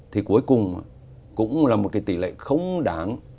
thì cuối cùng cũng là một cái tỷ lệ không đáng